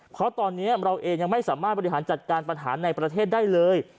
เพราะตอนนี้เราเองยังไม่สามารถบริหารจัดการปัญหาในประเทศได้เลย